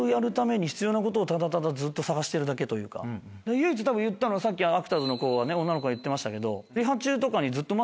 唯一言ったのはさっきアクターズの女の子が言ってましたけど。